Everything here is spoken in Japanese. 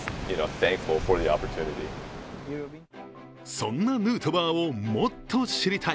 そんなヌートバーをもっと知りたい。